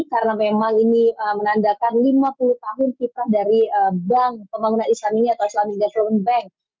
karena memang ini menandakan lima puluh tahun kipas dari bank pembangunan islam ini atau islamic development bank